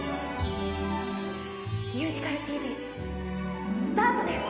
「ミュージカルＴＶ」スタートです！